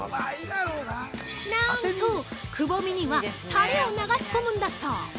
◆なーんと、くぼみにはタレを流し込むんだそう。